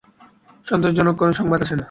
সন্তোষজনক কোন সংবাদ আসে না।